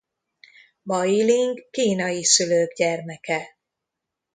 Bai Ling kínai szülők gyermeke.